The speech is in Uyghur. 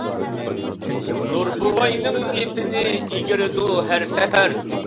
نۇر بوۋاينىڭ يىپىنى، ئېگىرىدۇ ھەر سەھەر.